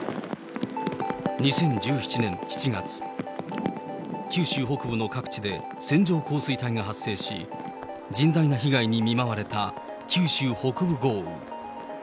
２０１７年７月、九州北部の各地で線状降水帯が発生し、甚大な被害に見舞われた九州北部豪雨。